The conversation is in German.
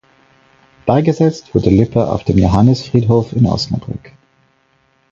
Beigesetzt wurde Lipper auf dem Johannisfriedhof in Osnabrück.